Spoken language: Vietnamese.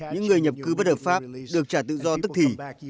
những người nhập cư bất hợp pháp được trả tự do tức thì